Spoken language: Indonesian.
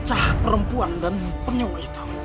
bocah perempuan dan penyum itu